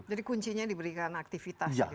jadi kuncinya diberikan aktivitas